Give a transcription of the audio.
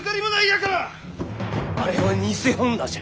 あれは偽本多じゃ！